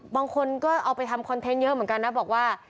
บางคนก็เอาไปทำคอนเทนต์เยอะเหมือนกันนะบอกว่า